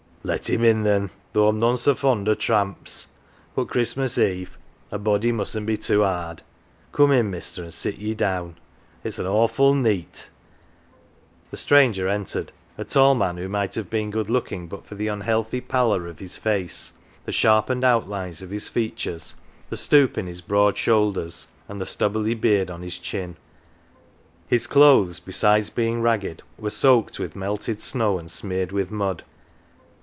"Let him in then though I'm none so fond o' tramps. But Christmas Eve a body mustn't be too 'ard. Come in, mister, an' sit ye down. It's an awful neet." The stranger entered a tall man who might have been good looking but for the unhealthy pallor of his face, the sharpened outlines of his features, the stoop in his broad shoulders, and the stubbly beard on his chin. His clothes, besides being ragged, were soaked with melted snow and smeared with mud.